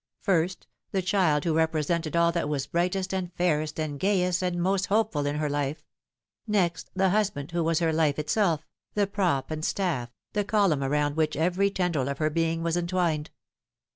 First, the child who represented all that was brightest and fairest and 208 The Fatal Thret. gayest and most hopeful in her life ; next, the husband who was her life itself, the prop and staff, the column around which every tendril of her being was entwined.